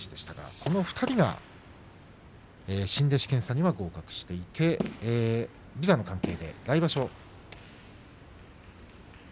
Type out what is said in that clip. この２人が新弟子検査には合格していて、ビザの関係で来場所です。